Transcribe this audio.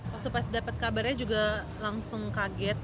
waktu pas dapet kabarnya juga langsung kaget